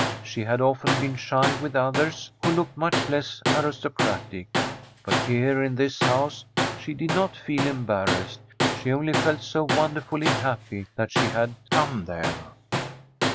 She had often been shy with others who looked much less aristocratic; but here, in this house, she did not feel embarrassed. She only felt so wonderfully happy that she had come there.